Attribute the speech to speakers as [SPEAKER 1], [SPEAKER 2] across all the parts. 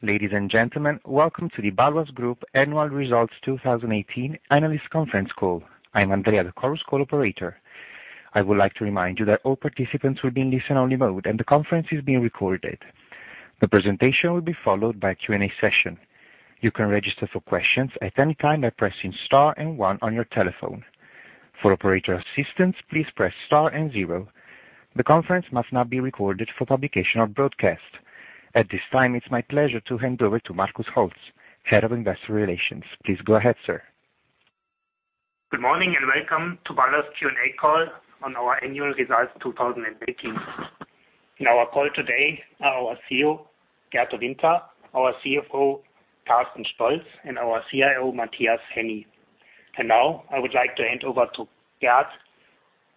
[SPEAKER 1] Ladies and gentlemen, welcome to the Bâloise Group Annual Results 2018 Analyst Conference Call. I am Andrea, the conference call operator. I would like to remind you that all participants will be in listen-only mode, and the conference is being recorded. The presentation will be followed by a Q&A session. You can register for questions at any time by pressing star and one on your telephone. For operator assistance, please press star and zero. The conference must not be recorded for publication or broadcast. At this time, it is my pleasure to hand over to Markus Holtz, Head of Investor Relations. Please go ahead, sir.
[SPEAKER 2] Good morning, and welcome to Bâloise Q&A Call on our annual results 2018. In our call today are our CEO, Gert De Winter, our CFO, Carsten Stolz, and our CIO, Matthias Henny. Now I would like to hand over to Gert,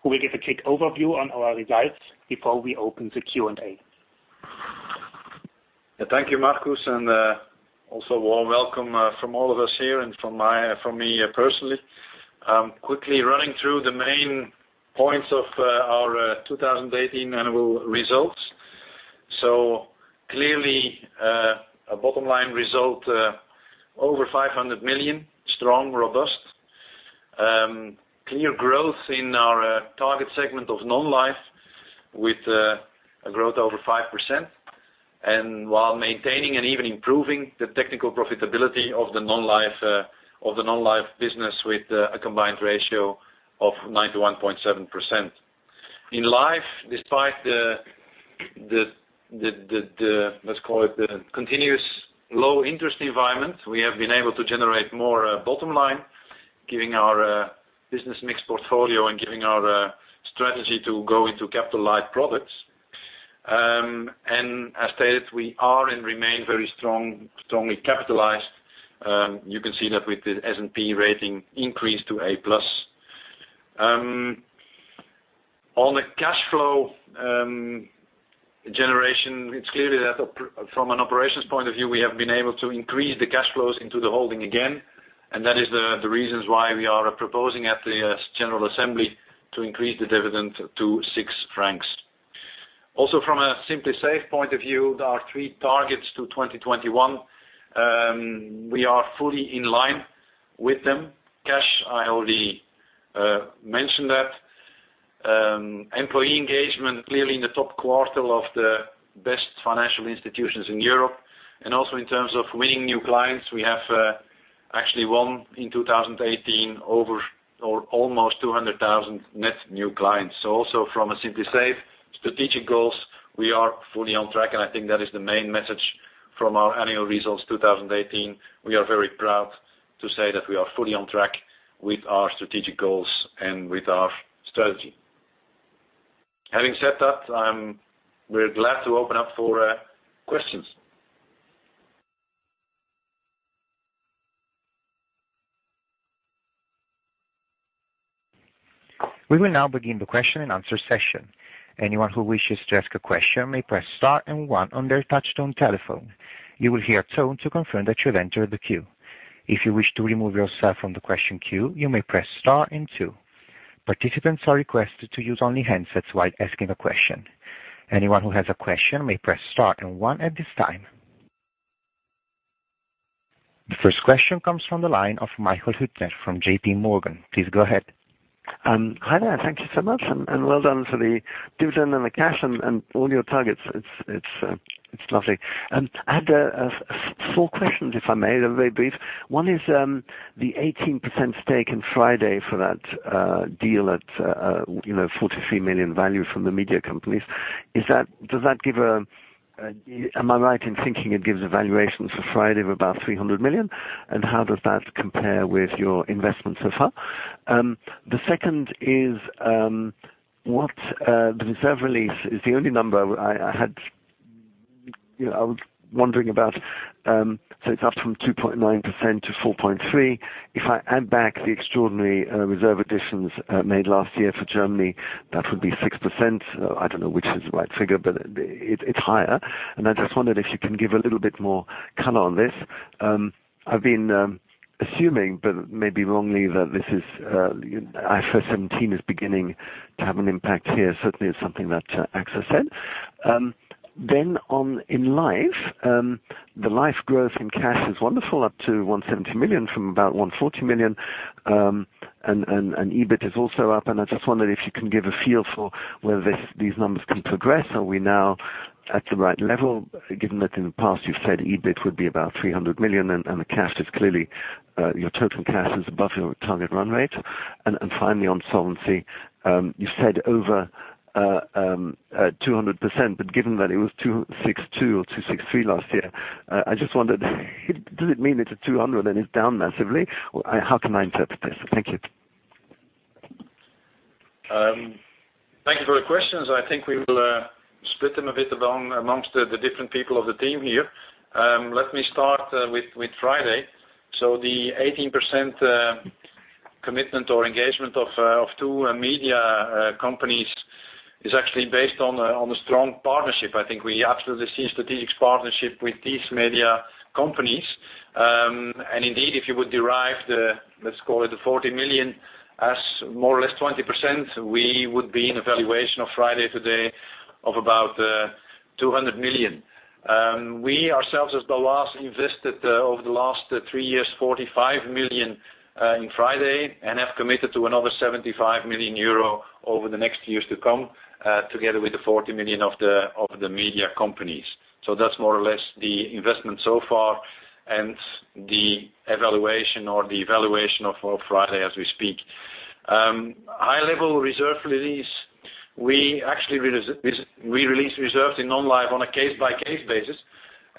[SPEAKER 2] who will give a quick overview on our results before we open the Q&A.
[SPEAKER 3] Thank you, Markus, and also warm welcome from all of us here and from me personally. Quickly running through the main points of our 2018 annual results. Clearly, a bottom-line result over 500 million, strong, robust. Clear growth in our target segment of non-life with a growth over 5%, and while maintaining and even improving the technical profitability of the non-life business with a combined ratio of 91.7%. In life, despite the, let's call it, the continuous low interest environment, we have been able to generate more bottom line, giving our business mix portfolio and giving our strategy to go into capital light products. As stated, we are and remain very strongly capitalized. You can see that with the S&P rating increase to A-plus. On the cash flow generation, it is clear that from an operations point of view, we have been able to increase the cash flows into the holding again, and that is the reasons why we are proposing at the general assembly to increase the dividend to 6 francs. Also from a Simply Safe point of view, there are three targets to 2021. We are fully in line with them. Cash, I already mentioned that. Employee engagement, clearly in the top quarter of the best financial institutions in Europe. Also in terms of winning new clients, we have actually won in 2018, over or almost 200,000 net new clients. Also from a Simply Safe strategic goals, we are fully on track, and I think that is the main message from our annual results 2018. We are very proud to say that we are fully on track with our strategic goals and with our strategy. Having said that, we're glad to open up for questions.
[SPEAKER 1] We will now begin the question and answer session. Anyone who wishes to ask a question may press Star and 1 on their touch-tone telephone. You will hear a tone to confirm that you have entered the queue. If you wish to remove yourself from the question queue, you may press Star and 2. Participants are requested to use only handsets while asking a question. Anyone who has a question may press Star and 1 at this time. The first question comes from the line of Michael Huttner from J.P. Morgan. Please go ahead.
[SPEAKER 4] Hi there. Thank you so much, well done for the dividend and the cash and all your targets. It's lovely. I had four questions, if I may. They're very brief. One is the 18% stake in FRIDAY for that deal at 43 million value from the media companies. Am I right in thinking it gives a valuation for FRIDAY of about 300 million? How does that compare with your investment so far? The second is, the reserve release is the only number I was wondering about. It's up from 2.9% to 4.3%. If I add back the extraordinary reserve additions made last year for Germany, that would be 6%. I don't know which is the right figure, but it's higher. I just wondered if you can give a little bit more color on this. I've been assuming, but maybe wrongly, that IFRS 17 is beginning to have an impact here. Certainly, it's something that AXA said. In life, the life growth in cash is wonderful, up to 170 million from about 140 million. EBIT is also up, I just wondered if you can give a feel for whether these numbers can progress. Are we now at the right level, given that in the past you've said EBIT would be about 300 million, your total cash is above your target run rate. Finally on solvency, you said over 200%, but given that it was 262 or 263 last year, I just wondered, does it mean it's at 200% and it's down massively? How can I interpret this? Thank you.
[SPEAKER 3] Thank you for the questions. I think we will split them a bit amongst the different people of the team here. Let me start with FRIDAY. The 18% commitment or engagement of two media companies is actually based on a strong partnership. I think we absolutely see a strategic partnership with these media companies. Indeed, if you would derive the, let's call it, the 40 million as more or less 20%, we would be in a valuation of FRIDAY today of about 200 million. We ourselves as Bâloise invested over the last three years, 45 million in FRIDAY, and have committed to another 75 million euro over the next years to come, together with the 40 million of the media companies. That's more or less the investment so far and the valuation of FRIDAY as we speak. High-level reserve release, we actually re-release reserves in non-life on a case-by-case basis,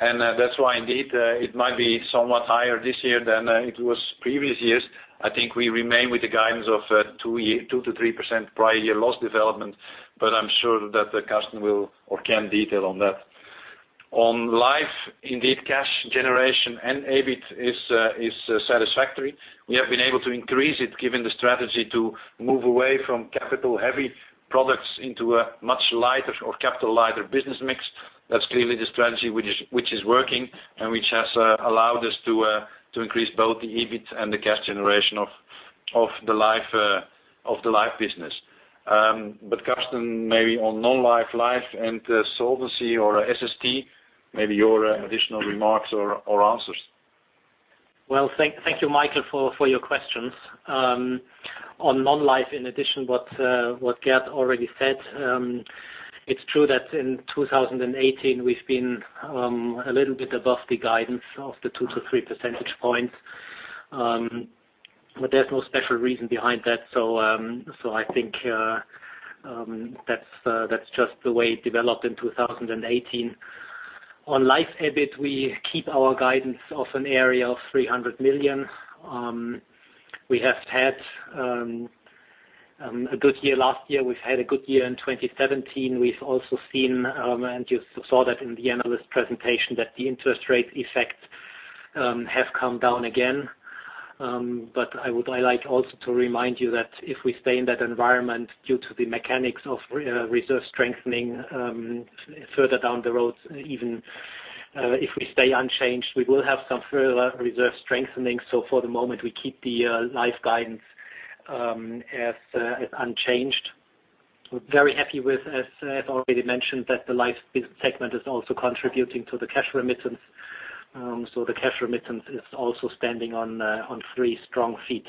[SPEAKER 3] That's why indeed, it might be somewhat higher this year than it was previous years. I think we remain with the guidance of 2%-3% prior year loss development, I'm sure that Carsten will or can detail on that. On life, indeed, cash generation and EBIT is satisfactory. We have been able to increase it given the strategy to move away from capital-heavy products into a much lighter or capital lighter business mix. That's clearly the strategy which is working and which has allowed us to increase both the EBIT and the cash generation of the life business. Carsten, maybe on non-life, life, and solvency or SST, maybe your additional remarks or answers.
[SPEAKER 5] Well, thank you, Michael, for your questions. On non-life, in addition, what Gert already said, it's true that in 2018 we've been a little bit above the guidance of the 2-3 percentage points. There's no special reason behind that. I think that's just the way it developed in 2018. On life EBIT, we keep our guidance of an area of 300 million. We have had a good year last year. We've had a good year in 2017. We've also seen, and you saw that in the analyst presentation, that the interest rate effects have come down again. I would like also to remind you that if we stay in that environment due to the mechanics of reserve strengthening further down the road, even if we stay unchanged, we will have some further reserve strengthening. For the moment, we keep the life guidance as unchanged. We're very happy with, as already mentioned, that the life segment is also contributing to the cash remittance. The cash remittance is also standing on three strong feet.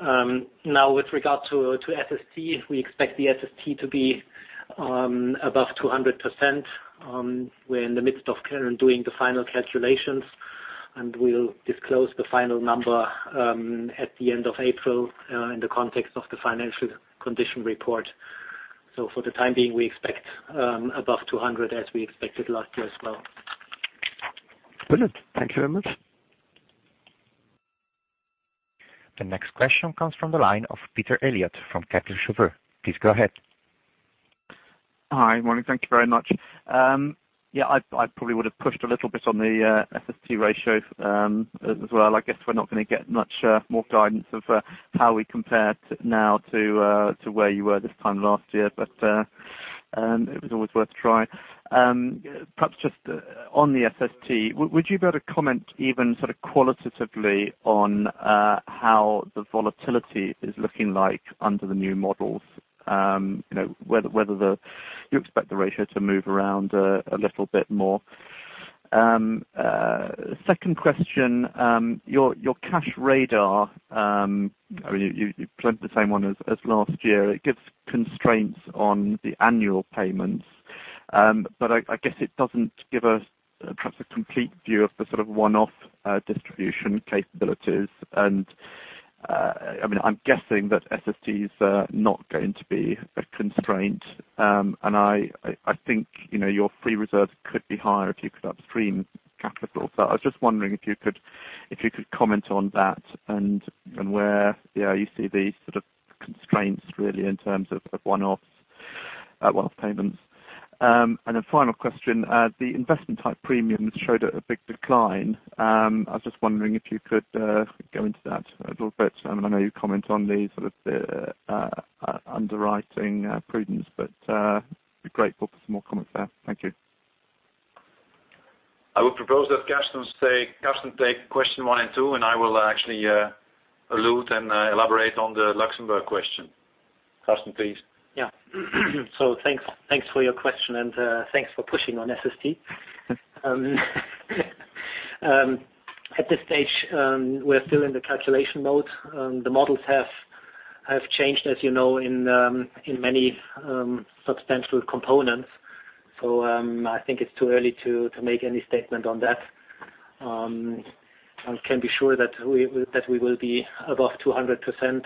[SPEAKER 5] With regard to SST, we expect the SST to be above 200%. We're in the midst of doing the final calculations, and we'll disclose the final number at the end of April in the context of the financial condition report. For the time being, we expect above 200% as we expected last year as well.
[SPEAKER 4] Brilliant. Thank you very much.
[SPEAKER 1] The next question comes from the line of Peter Eliot from Kepler Cheuvreux. Please go ahead.
[SPEAKER 6] Hi. Morning. Thank you very much. I probably would have pushed a little bit on the SST ratio as well. I guess we're not going to get much more guidance of how we compare now to where you were this time last year, but it was always worth a try. Perhaps just on the SST, would you be able to comment even sort of qualitatively on how the volatility is looking like under the new models? Whether you expect the ratio to move around a little bit more. Second question, your Cash Radar, you plugged the same one as last year. It gives constraints on the annual payments. I guess it doesn't give us perhaps a complete view of the sort of one-off distribution capabilities. I'm guessing that SST is not going to be a constraint. I think your free reserve could be higher if you could upstream capital. I was just wondering if you could comment on that and where you see these sort of constraints really in terms of one-off payments. Final question, the investment type premiums showed a big decline. I was just wondering if you could go into that a little bit. I know you comment on the sort of underwriting prudence, but be grateful for some more comment there. Thank you.
[SPEAKER 3] I would propose that Carsten take question one and two, and I will actually allude and elaborate on the Luxembourg question. Carsten, please.
[SPEAKER 5] Thanks for your question, and thanks for pushing on SST. At this stage, we're still in the calculation mode. The models have changed, as you know, in many substantial components. I think it's too early to make any statement on that. I can be sure that we will be above 200%,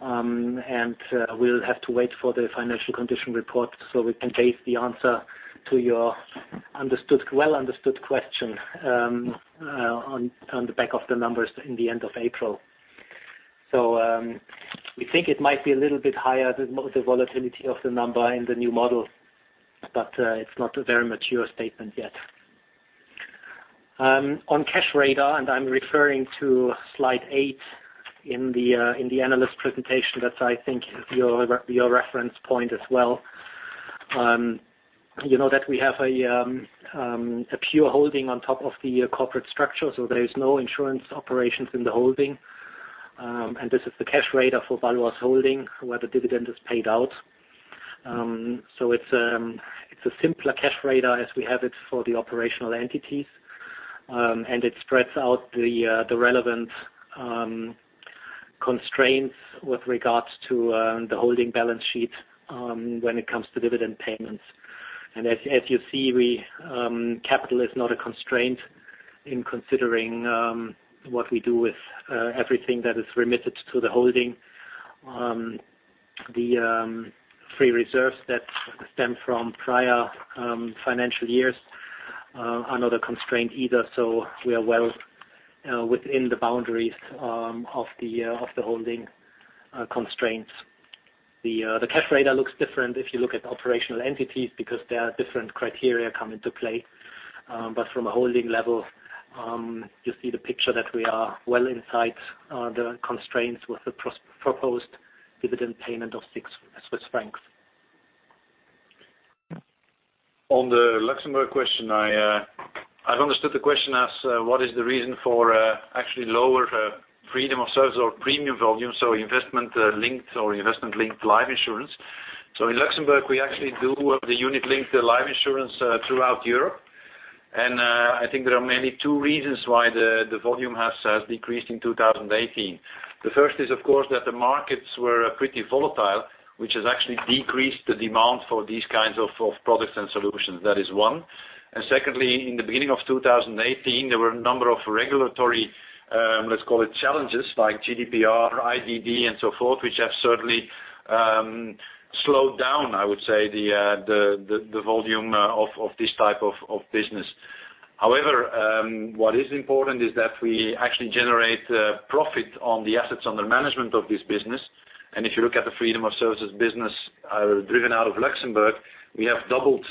[SPEAKER 5] and we'll have to wait for the financial condition report so we can base the answer to your well-understood question on the back of the numbers in the end of April. We think it might be a little bit higher, the volatility of the number in the new model, but it's not a very mature statement yet. On Cash Radar, I'm referring to slide eight in the analyst presentation. That's I think is your reference point as well. You know that we have a pure holding on top of the corporate structure, there is no insurance operations in the holding. And this is the Cash Radar for Bâloise Holding, where the dividend is paid out. It's a simpler Cash Radar as we have it for the operational entities. It spreads out the relevant constraints with regards to the holding balance sheet when it comes to dividend payments. As you see, capital is not a constraint in considering what we do with everything that is remitted to the holding. The free reserves that stem from prior financial years are not a constraint either, we are well within the boundaries of the holding constraints. The Cash Radar looks different if you look at operational entities, because there are different criteria come into play. From a holding level, you see the picture that we are well inside the constraints with the proposed dividend payment of 6 Swiss francs.
[SPEAKER 3] On the Luxembourg question, I've understood the question as what is the reason for actually lower freedom of service or premium volume, so investment-linked life insurance. In Luxembourg, we actually do the unit-linked life insurance throughout Europe. I think there are mainly two reasons why the volume has decreased in 2018. The first is, of course, that the markets were pretty volatile, which has actually decreased the demand for these kinds of products and solutions. That is one. Secondly, in the beginning of 2018, there were a number of regulatory, let's call it challenges like GDPR, IDD, and so forth, which have certainly slowed down, I would say, the volume of this type of business. However, what is important is that we actually generate profit on the assets under management of this business. If you look at the freedom of services business driven out of Luxembourg, we have doubled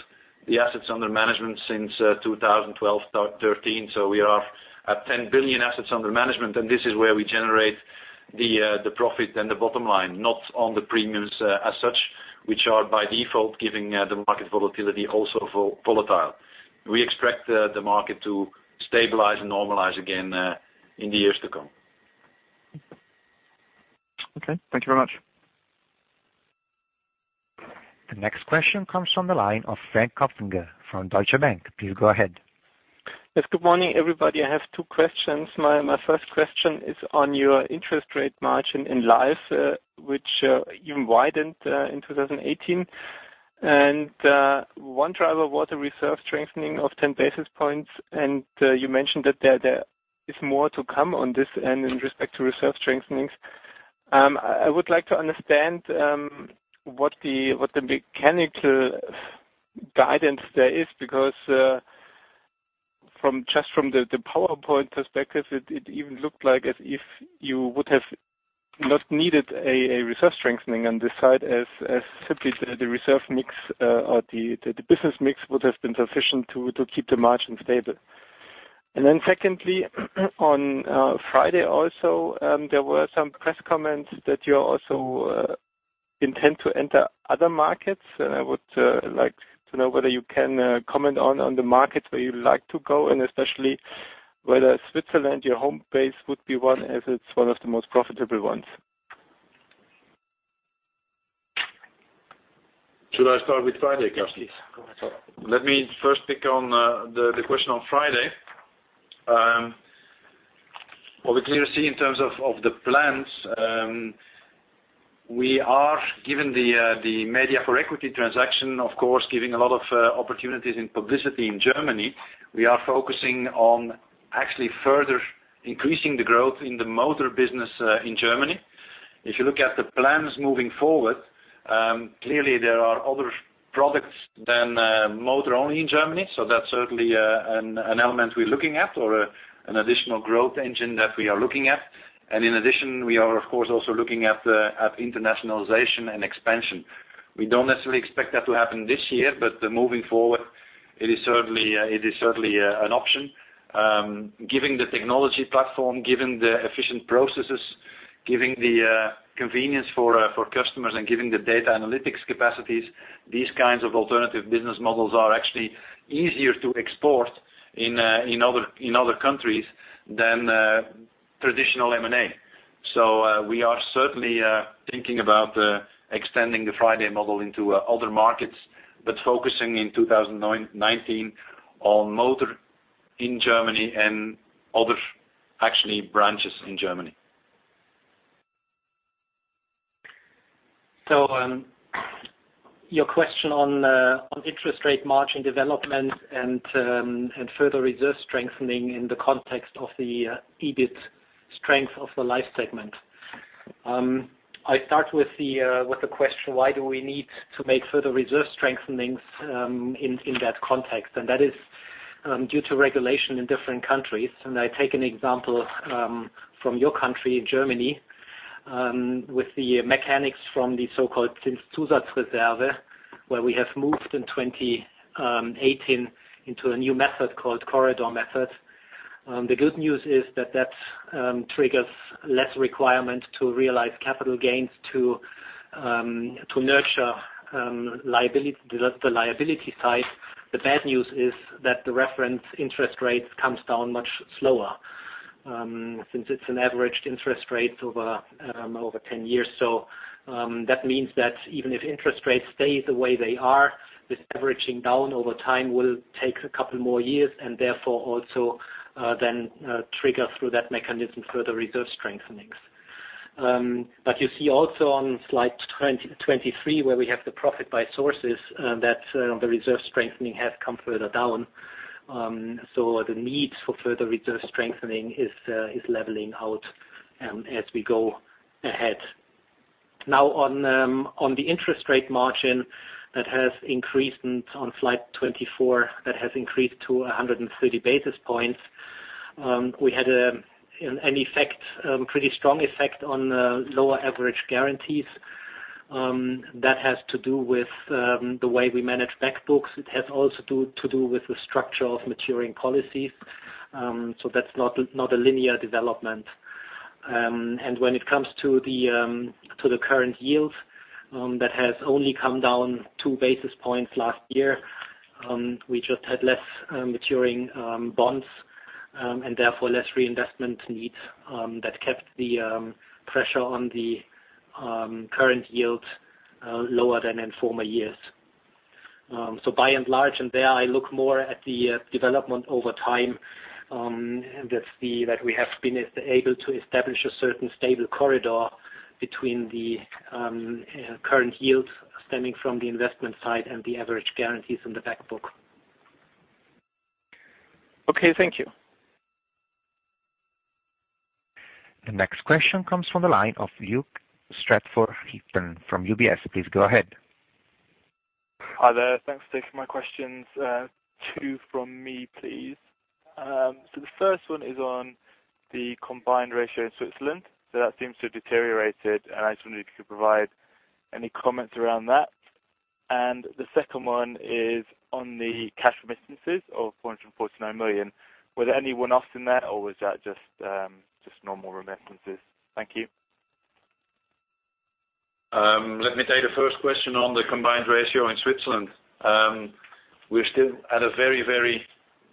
[SPEAKER 3] the assets under management since 2012, 2013. We are at 10 billion assets under management, and this is where we generate the profit and the bottom line, not on the premiums as such, which are by default, giving the market volatility also volatile. We expect the market to stabilize and normalize again in the years to come.
[SPEAKER 6] Okay. Thank you very much.
[SPEAKER 1] The next question comes from the line of Frank Kopfinger from Deutsche Bank. Please go ahead.
[SPEAKER 7] Yes, good morning, everybody. I have two questions. My first question is on your interest rate margin in life, which you widened in 2018. One driver was a reserve strengthening of 10 basis points, and you mentioned that there is more to come on this and in respect to reserve strengthenings. I would like to understand what the mechanical guidance there is, because just from the PowerPoint perspective, it even looked like as if you would have not needed a reserve strengthening on this side as simply the reserve mix or the business mix would have been sufficient to keep the margin stable. Secondly, on FRIDAY also, there were some press comments that you also intend to enter other markets, and I like to know whether you can comment on the markets where you like to go, and especially whether Switzerland, your home base, would be one as it's one of the most profitable ones.
[SPEAKER 3] Should I start with FRIDAY, Kopfinger?
[SPEAKER 5] Yes, please. Go ahead.
[SPEAKER 3] Let me first pick on the question on FRIDAY. What we clearly see in terms of the plans, given the media for equity transaction, of course, giving a lot of opportunities in publicity in Germany, we are focusing on actually further increasing the growth in the motor business in Germany. If you look at the plans moving forward, clearly there are other products than motor only in Germany, so that's certainly an element we're looking at or an additional growth engine that we are looking at. In addition, we are of course also looking at internationalization and expansion. We don't necessarily expect that to happen this year, but moving forward, it is certainly an option. Given the technology platform, given the efficient processes, given the convenience for customers and given the data analytics capacities, these kinds of alternative business models are actually easier to export in other countries than traditional M&A. We are certainly thinking about extending the FRIDAY model into other markets, but focusing in 2019 on motor in Germany and other, actually, branches in Germany.
[SPEAKER 5] Your question on interest rate margin development and further reserve strengthening in the context of the EBIT strength of the Life segment. I start with the question, why do we need to make further reserve strengthenings in that context? That is due to regulation in different countries. I take an example from your country, Germany, with the mechanics from the so-called where we have moved in 2018 into a new method called corridor method. The good news is that triggers less requirement to realize capital gains to nurture the liability side. The bad news is that the reference interest rate comes down much slower since it's an averaged interest rate over 10 years. That means that even if interest rates stay the way they are, this averaging down over time will take a couple more years and therefore also then trigger through that mechanism further reserve strengthenings. You see also on slide 23 where we have the profit by sources, that the reserve strengthening has come further down. The need for further reserve strengthening is leveling out as we go ahead. Now, on the interest rate margin that has increased on slide 24, that has increased to 130 basis points. We had a pretty strong effect on lower average guarantees. That has to do with the way we manage back books. It has also to do with the structure of maturing policies. That's not a linear development. When it comes to the current yield, that has only come down two basis points last year. We just had less maturing bonds, therefore less reinvestment needs that kept the pressure on the current yield lower than in former years. By and large, there I look more at the development over time, that we have been able to establish a certain stable corridor between the current yields stemming from the investment side and the average guarantees in the back book.
[SPEAKER 7] Okay, thank you.
[SPEAKER 1] The next question comes from the line of Luke Stratford Heaton from UBS. Please go ahead.
[SPEAKER 8] Hi there. Thanks for taking my questions. Two from me, please. The first one is on the combined ratio in Switzerland. That seems to have deteriorated, I just wondered if you could provide any comments around that. The second one is on the cash remittances of 449 million. Were there any one-offs in there, or was that just normal remittances? Thank you.
[SPEAKER 3] Let me take the first question on the combined ratio in Switzerland. We're still at a very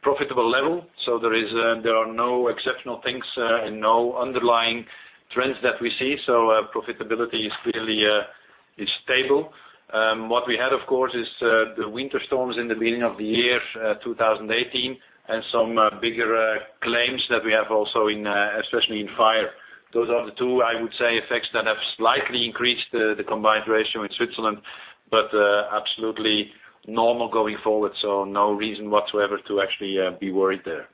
[SPEAKER 3] profitable level. There are no exceptional things and no underlying trends that we see. Profitability is really stable. What we had, of course, is the winter storms in the beginning of the year 2018 and some bigger claims that we have also especially in fire. Those are the two, I would say, effects that have slightly increased the combined ratio in Switzerland, but absolutely normal going forward. No reason whatsoever to actually be worried there.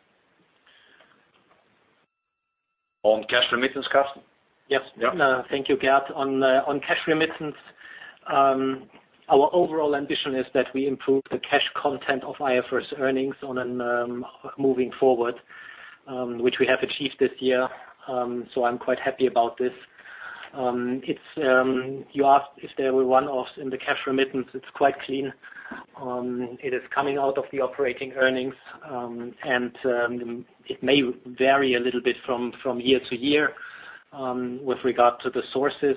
[SPEAKER 3] On cash remittance, Carsten?
[SPEAKER 5] Yes.
[SPEAKER 3] Yeah.
[SPEAKER 5] Thank you, Gert. On cash remittance, our overall ambition is that we improve the cash content of IFRS earnings moving forward, which we have achieved this year. I'm quite happy about this. You asked if there were one-offs in the cash remittance. It's quite clean. It is coming out of the operating earnings, and it may vary a little bit from year to year with regard to the sources.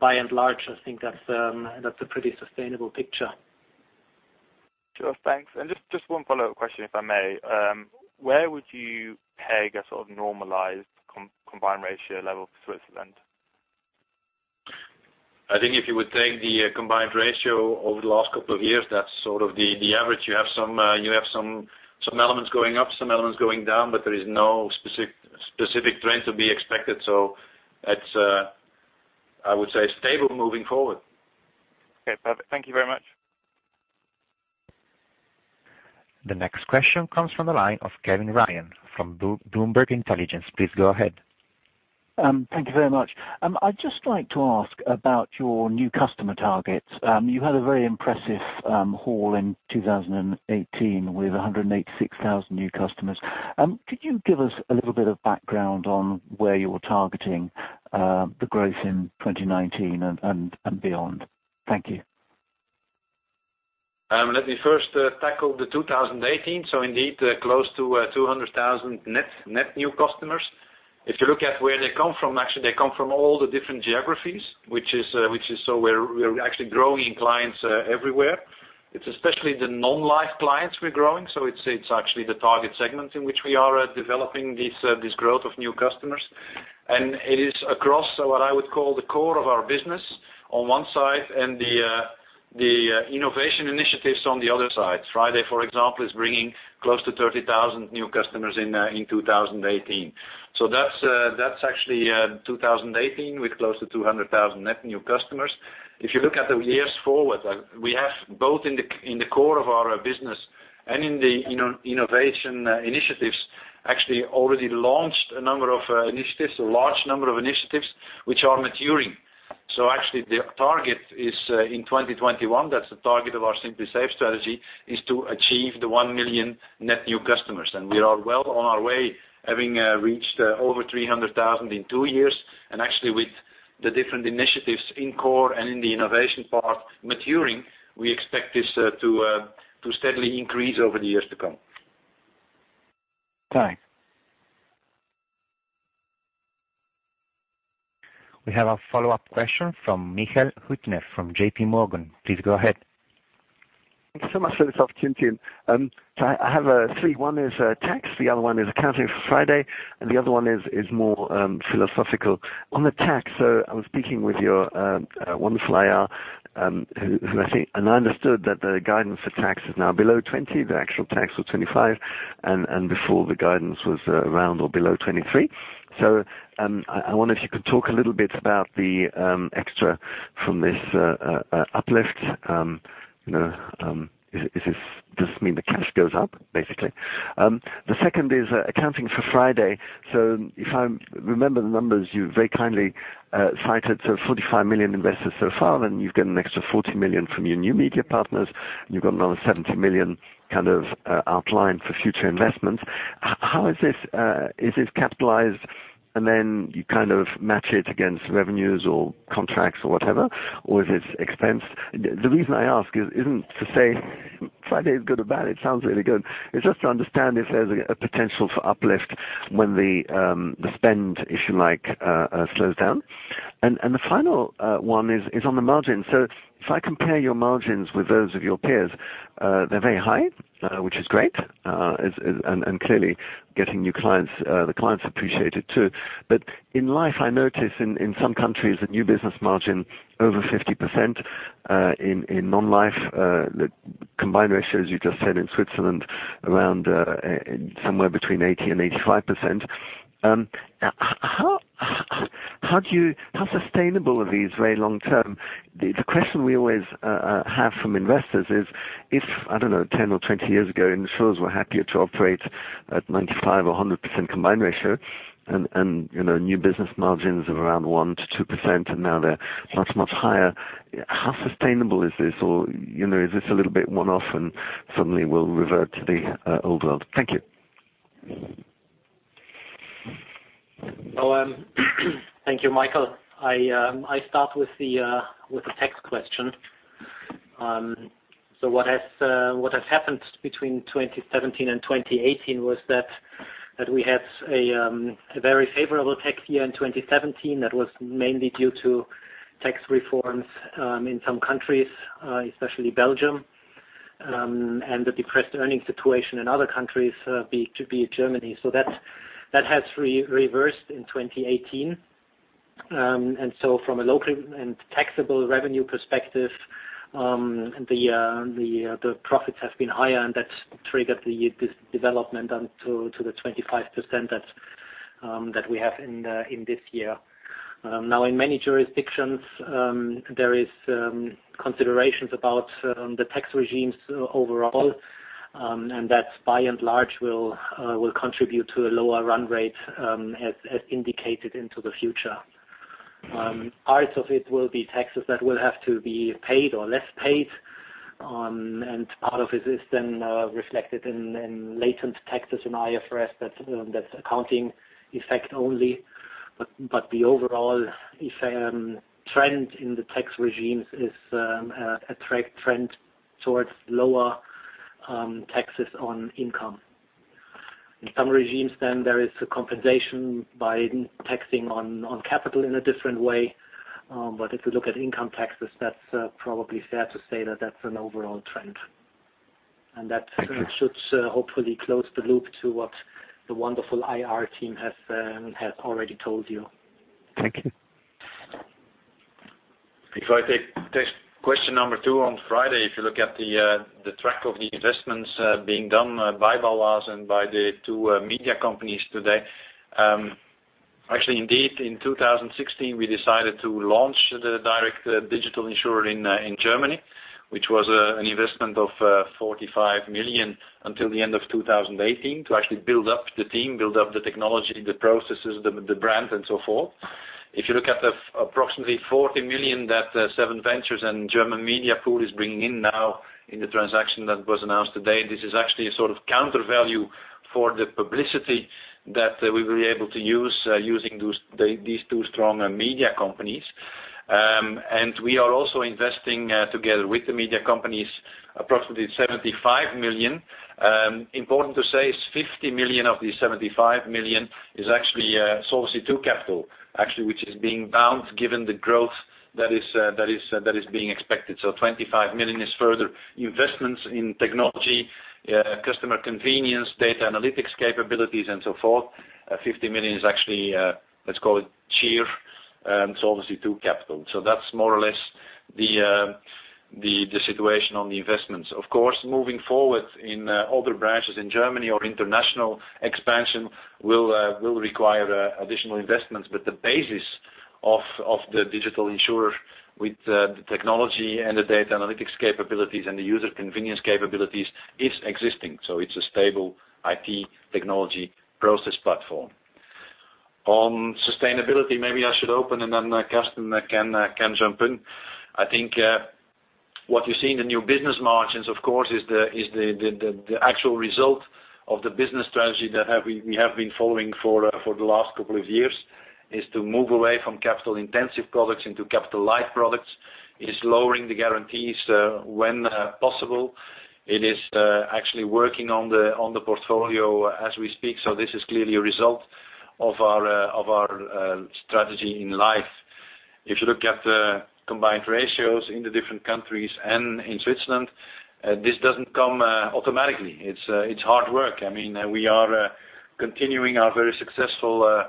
[SPEAKER 5] By and large, I think that's a pretty sustainable picture.
[SPEAKER 8] Sure, thanks. Just one follow-up question, if I may. Where would you peg a sort of normalized combined ratio level for Switzerland?
[SPEAKER 3] I think if you would take the combined ratio over the last couple of years, that's sort of the average. You have some elements going up, some elements going down, there is no specific trend to be expected. It's, I would say, stable moving forward.
[SPEAKER 8] Okay, perfect. Thank you very much.
[SPEAKER 1] The next question comes from the line of Kevin Ryan from Bloomberg Intelligence. Please go ahead.
[SPEAKER 9] Thank you very much. I'd just like to ask about your new customer targets. You had a very impressive haul in 2018 with 186,000 new customers. Could you give us a little bit of background on where you're targeting the growth in 2019 and beyond? Thank you.
[SPEAKER 3] Let me first tackle the 2018. Indeed, close to 200,000 net new customers. If you look at where they come from, actually, they come from all the different geographies, so we're actually growing in clients everywhere. It's especially the non-life clients we're growing, so it's actually the target segment in which we are developing this growth of new customers. And it is across what I would call the core of our business on one side and the innovation initiatives on the other side. FRIDAY, for example, is bringing close to 30,000 new customers in 2018. That's actually 2018 with close to 200,000 net new customers. If you look at the years forward, we have both in the core of our business and in the innovation initiatives, actually already launched a number of initiatives, a large number of initiatives, which are maturing. Actually, the target is in 2021. That's the target of our Simply Safe strategy, is to achieve the 1 million net new customers. We are well on our way, having reached over 300,000 in two years. Actually, with the different initiatives in core and in the innovation part maturing, we expect this to steadily increase over the years to come.
[SPEAKER 9] Thanks.
[SPEAKER 1] We have a follow-up question from Michael Huttner from J.P. Morgan. Please go ahead.
[SPEAKER 4] Thanks so much for this opportunity. I have three. One is tax, the other one is accounting for FRIDAY, and the other one is more philosophical. On the tax, I was speaking with your wonderful IR, who I see, and I understood that the guidance for tax is now below 20. The actual tax was 25, and before the guidance was around or below 23. I wonder if you could talk a little bit about the extra from this uplift. Does this mean the cash goes up, basically? The second is accounting for FRIDAY. If I remember the numbers you very kindly cited, 45 million invested so far, then you've got an extra 40 million from your new media partners, and you've got another 70 million kind of outline for future investments. How is this capitalized, and then you kind of match it against revenues or contracts or whatever, or is this expense? The reason I ask isn't to say FRIDAY is good or bad, it sounds really good. It's just to understand if there's a potential for uplift when the spend, if you like, slows down. The final one is on the margin. If I compare your margins with those of your peers, they're very high, which is great. Clearly getting new clients, the clients appreciate it too. In life, I notice in some countries, the new business margin over 50%, in non-life, the combined ratios you just said in Switzerland, around somewhere between 80% and 85%. How sustainable are these very long term? The question we always have from investors is, if, I don't know, 10 or 20 years ago, insurers were happier to operate at 95% or 100% combined ratio and new business margins of around 1%-2%, and now they are much, much higher. How sustainable is this? Or is this a little bit one-off and suddenly will revert to the old world? Thank you.
[SPEAKER 5] Thank you, Michael Huttner. I start with the tax question. So what has happened between 2017 and 2018 was that we had a very favorable tax year in 2017 that was mainly due to tax reforms in some countries, especially Belgium, and the depressed earning situation in other countries, be it Germany. That has reversed in 2018. From a local and taxable revenue perspective, the profits have been higher and that has triggered the development to the 25% that we have in this year. Now, in many jurisdictions, there is considerations about the tax regimes overall, and that by and large will contribute to a lower run rate as indicated into the future. Parts of it will be taxes that will have to be paid or less paid, and part of it is then reflected in latent taxes in IFRS that's accounting effect only. The overall trend in the tax regimes is a trend towards lower taxes on income. In some regimes then there is a compensation by taxing on capital in a different way. But if you look at income taxes, that's probably fair to say that that's an overall trend.
[SPEAKER 4] Thank you.
[SPEAKER 5] That should hopefully close the loop to what the wonderful IR team has already told you.
[SPEAKER 4] Thank you.
[SPEAKER 3] If I take question number 2 on FRIDAY. If you look at the track of the investments being done by Bâloise and by the two media companies today. Actually, indeed, in 2016, we decided to launch the direct digital insurer in Germany, which was an investment of 45 million until the end of 2018 to actually build up the team, build up the technology, the processes, the brand, and so forth. If you look at the approximately 40 million that SevenVentures and German Media Pool is bringing in now in the transaction that was announced today, this is actually a sort of counter value for the publicity that we will be able to use using these two strong media companies. We are also investing together with the media companies, approximately 75 million. Important to say is 50 million of the 75 million is actually Solvency II capital, actually, which is being balanced given the growth that is being expected. 25 million is further investments in technology, customer convenience, data analytics capabilities, and so forth. 50 million is actually, let's call it tier Solvency II capital. That's more or less the situation on the investments. Of course, moving forward in other branches in Germany or international expansion will require additional investments, but the basis of the digital insurer with the technology and the data analytics capabilities and the user convenience capabilities is existing. It's a stable IT technology process platform. On sustainability, maybe I should open and then Carsten can jump in. I think what you see in the new business margins, of course, is the actual result of the business strategy that we have been following for the last couple of years. It is to move away from capital intensive products into capital light products. It is lowering the guarantees when possible. It is actually working on the portfolio as we speak. This is clearly a result of our strategy in life. If you look at the combined ratios in the different countries and in Switzerland, this doesn't come automatically. It's hard work. We are continuing our very successful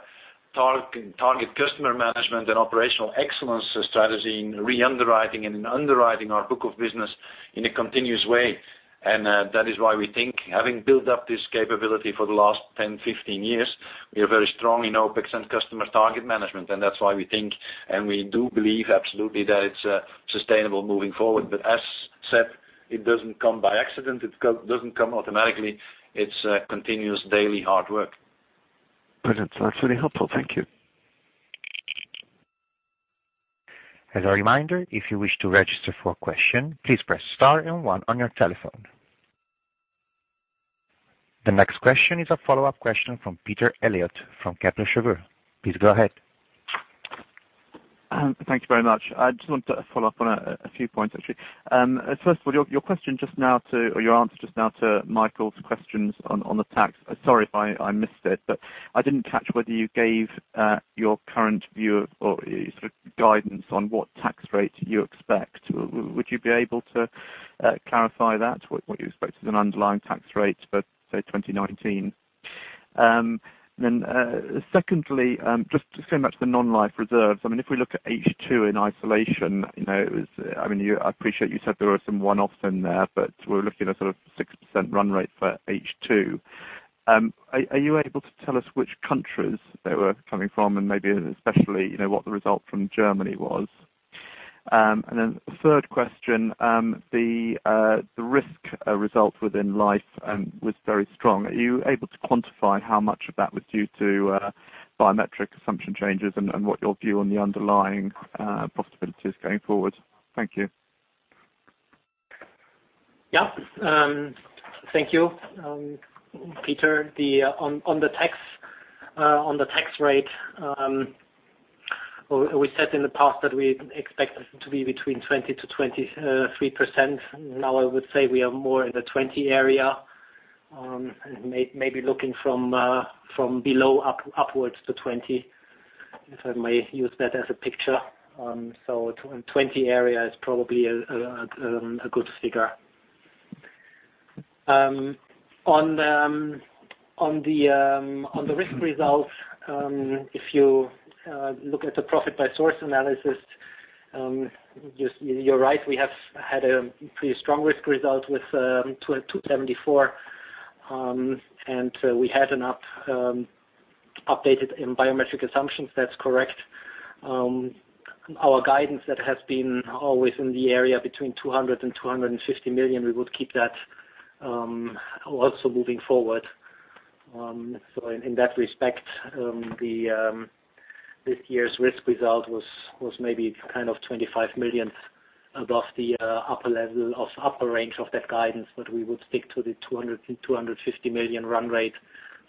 [SPEAKER 3] target customer management and operational excellence strategy in re-underwriting and underwriting our book of business in a continuous way. That is why we think having built up this capability for the last 10, 15 years, we are very strong in OPEX and customer target management. That's why we think, and we do believe absolutely that it's sustainable moving forward. As said, it doesn't come by accident. It doesn't come automatically. It's continuous daily hard work.
[SPEAKER 4] Brilliant. That's really helpful. Thank you.
[SPEAKER 1] As a reminder, if you wish to register for a question, please press star and one on your telephone. The next question is a follow-up question from Peter Eliot from Kepler Cheuvreux. Please go ahead.
[SPEAKER 6] Thank you very much. I just wanted to follow up on a few points, actually. First of all, your answer just now to Michael's questions on the tax. Sorry if I missed it, but I didn't catch whether you gave your current view or sort of guidance on what tax rate you expect. Would you be able to clarify that? What you expect as an underlying tax rate for, say, 2019? Secondly, just going back to the non-life reserves. I appreciate you said there were some one-offs in there, but we're looking at sort of 6% run rate for H2. Are you able to tell us which countries they were coming from, and maybe especially, what the result from Germany was? Third question, the risk results within Life was very strong. Are you able to quantify how much of that was due to biometric assumption changes and what your view on the underlying possibilities going forward? Thank you.
[SPEAKER 5] Yeah. Thank you, Peter. On the tax rate, we said in the past that we expect it to be between 20%-23%. Now I would say we are more in the 20 area, maybe looking from below upwards to 20, if I may use that as a picture. 20 area is probably a good figure. On the risk results, if you look at the profit by source analysis, you're right, we have had a pretty strong risk result with 274. We had an update in biometric assumptions. That's correct. Our guidance that has been always in the area between 200 million-250 million, we would keep that also moving forward. In that respect, this year's risk result was maybe kind of 25 million above the upper range of that guidance. We would stick to the 200 million-250 million run rate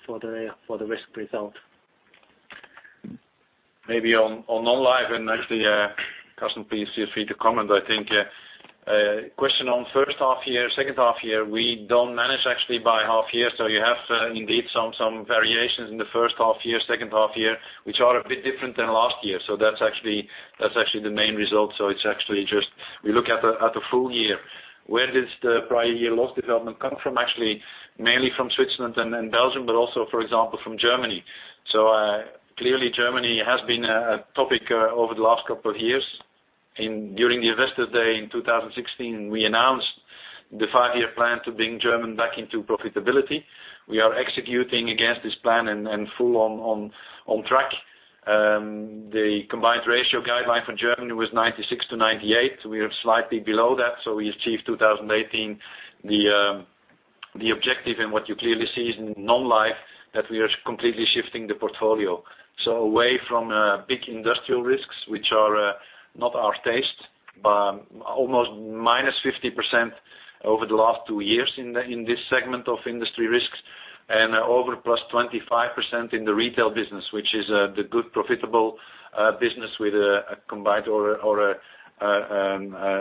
[SPEAKER 5] for the risk result.
[SPEAKER 3] Maybe on non-life and actually, Carsten please feel free to comment. I think question on first half year, second half year, we don't manage actually by half year. You have indeed some variations in the first half year, second half year, which are a bit different than last year. That's actually the main result. It's actually just we look at the full year. Where does the prior year loss development come from? Actually, mainly from Switzerland and Belgium, but also, for example, from Germany. Clearly Germany has been a topic over the last couple of years. During the Investor Day in 2016, we announced the five-year plan to bring Germany back into profitability. We are executing against this plan and full on track. The combined ratio guideline for Germany was 96%-98%. We are slightly below that. We achieved 2018, the objective. What you clearly see is non-life that we are completely shifting the portfolio. Away from big industrial risks, which are not our taste. Almost -50% over the last two years in this segment of industry risks. Over +25% in the retail business, which is the good profitable business with a combined or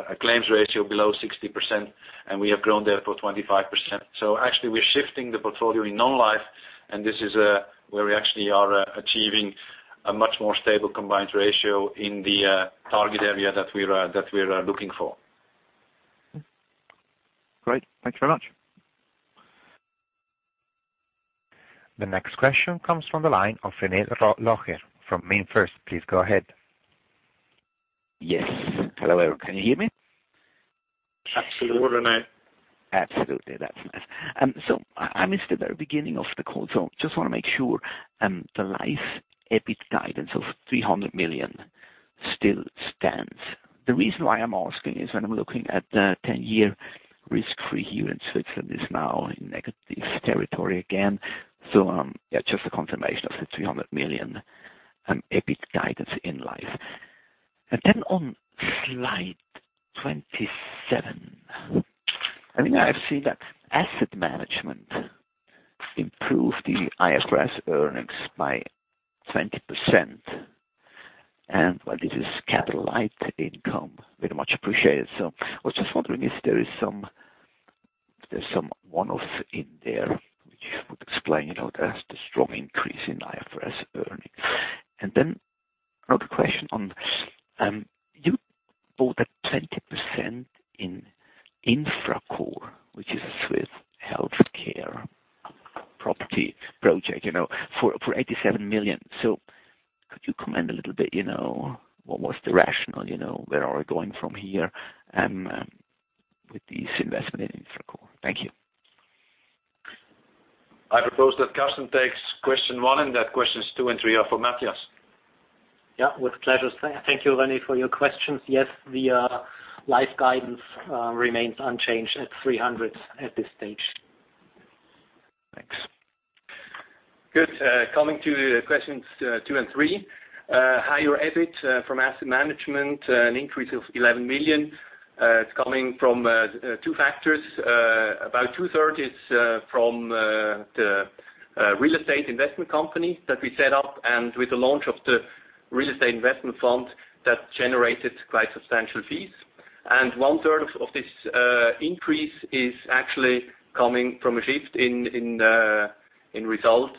[SPEAKER 3] a claims ratio below 60%. We have grown there for 25%. Actually, we're shifting the portfolio in non-life, and this is where we actually are achieving a much more stable combined ratio in the target area that we are looking for.
[SPEAKER 6] Great. Thanks very much.
[SPEAKER 1] The next question comes from the line of René Locher from MainFirst. Please go ahead.
[SPEAKER 10] Yes. Hello. Can you hear me?
[SPEAKER 3] Absolutely.
[SPEAKER 10] Absolutely. That's nice. I missed the very beginning of the call. Just want to make sure the life EBIT guidance of 300 million still stands. The reason why I'm asking is when I'm looking at the 10-year risk-free here in Switzerland is now in negative territory again. Yeah, just a confirmation of the 300 million EBIT guidance in life. And then on slide 27. I've seen that asset management improved the IFRS earnings by 20%. While this is capital light income, very much appreciated. I was just wondering if there's some one-off in there which would explain it out as the strong increase in IFRS earnings. Then another question on, you bought that 20% in Infracore, which is a Swiss healthcare property project for 87 million. Could you comment a little bit, what was the rationale? Where are we going from here with this investment in Infracore? Thank you.
[SPEAKER 3] I propose that Carsten takes question one, and that questions two and three are for Matthias.
[SPEAKER 5] With pleasure. Thank you, René, for your questions. Yes, the life guidance remains unchanged at 300 at this stage.
[SPEAKER 10] Thanks.
[SPEAKER 5] Good. Coming to questions two and three. Higher EBIT from asset management, an increase of 11 million. It is coming from two factors. About two-thirds is from the real estate investment company that we set up, and with the launch of the real estate investment fund that generated quite substantial fees. One-thirds of this increase is actually coming from a shift in results.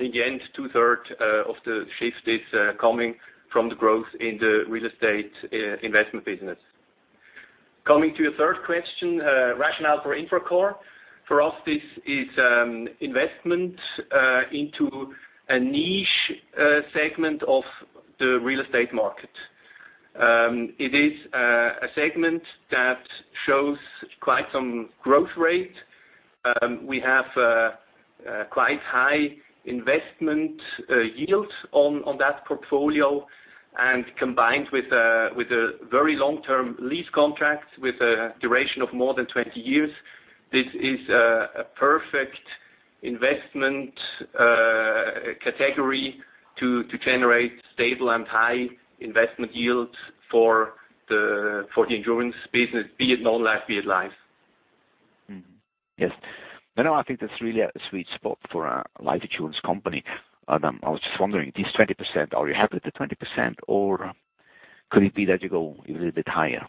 [SPEAKER 5] In the end, two-thirds of the shift is coming from the growth in the real estate investment business. Coming to your third question, rationale for Infracore. For us, this is investment into a niche segment of the real estate market. It is a segment that shows quite some growth rate. We have quite high investment yield on that portfolio.
[SPEAKER 11] Combined with a very long-term lease contract with a duration of more than 20 years, this is a perfect investment category to generate stable and high investment yields for the insurance business, be it non-life, be it life.
[SPEAKER 10] Yes. I think that is really a sweet spot for a life insurance company. I was just wondering, this 20%, are you happy with the 20%, or could it be that you go a little bit higher?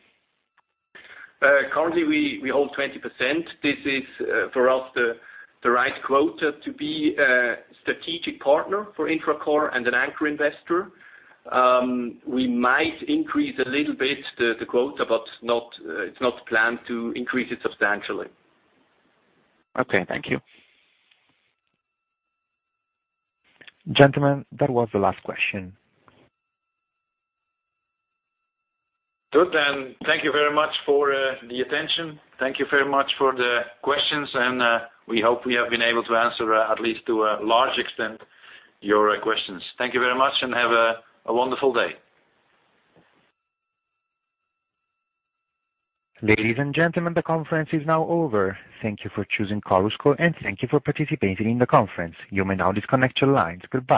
[SPEAKER 11] Currently, we hold 20%. This is, for us, the right quota to be a strategic partner for Infracore and an anchor investor. We might increase a little bit the quota, but it is not planned to increase it substantially.
[SPEAKER 10] Okay. Thank you.
[SPEAKER 1] Gentlemen, that was the last question.
[SPEAKER 3] Good. Thank you very much for the attention. Thank you very much for the questions. We hope we have been able to answer at least to a large extent, your questions. Thank you very much and have a wonderful day.
[SPEAKER 1] Ladies and gentlemen, the conference is now over. Thank you for choosing Chorus Call. Thank you for participating in the conference. You may now disconnect your lines. Goodbye.